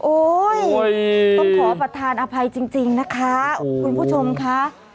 ต้องขอประธานอภัยจริงนะคะคุณผู้ชมค่ะ